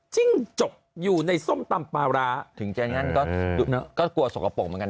จิ้งจกอยู่ในส้มตำปลาร้าถึงจะงั้นก็กลัวสกปรกเหมือนกัน